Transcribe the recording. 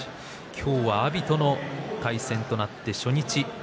今日は阿炎との対戦となって初日。